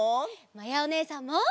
まやおねえさんも！